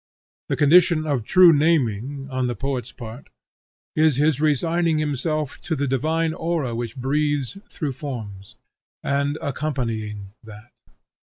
The condition of true naming, on the poet's part, is his resigning himself to the divine aura which breathes through forms, and accompanying that.